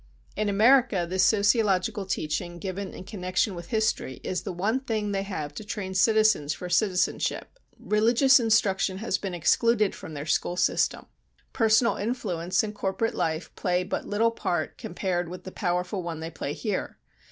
In America this sociological teaching given in connection with history is the one thing they have to train citizens for citizenship; religious instruction has been excluded from their school system, personal influence and corporate life play but little part compared with the powerful one they play here.